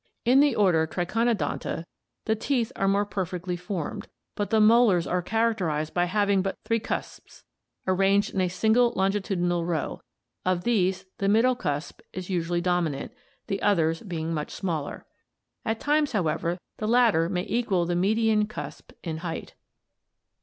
171). In the order Triconodonta, the teeth are more perfectly formed, but the molars are characterized by having but three cusps ar ranged in a single longitudinal row; of these the middle cusp is usually dominant, the others being much smaller. At times, how ever, the latter may equal the median cusp in height.